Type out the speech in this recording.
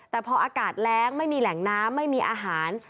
แต่พออากาศแร้งไม่มีแหล่งน้ำไม่มีอาหาร